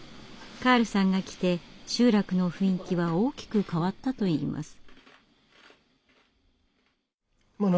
カールさんが来て集落の雰囲気は大きく変わったといいます。